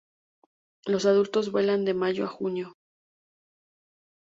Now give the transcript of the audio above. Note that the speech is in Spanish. Los adultos vuelan de mayo a junio.